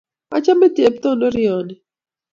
Achame cheptondorieno